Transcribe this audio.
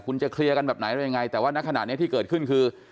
คุณจะเคลียร์กันแบบไหนอะไรยังไงแต่ว่านักขณะนี้ที่เกิดขึ้นคือ